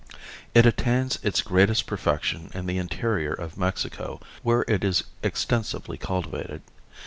It attains its greatest perfection in the interior of Mexico where it is extensively cultivated.